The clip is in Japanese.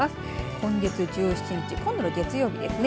今月１７日今度の月曜日ですね。